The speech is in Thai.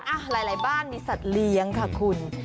หลายบ้านมีสัตว์เลี้ยงค่ะคุณ